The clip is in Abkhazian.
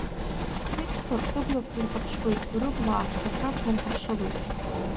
Кәицқәак сыблақәа ирҭаԥшуеит, рыбла ааԥсақәа снырхыԥшылоит.